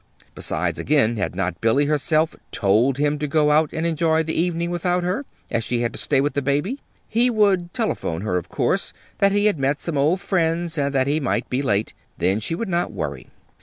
Besides, again, had not Billy herself told him to go out and enjoy the evening without her, as she had to stay with the baby? He would telephone her, of course, that he had met some old friends, and that he might be late; then she would not worry.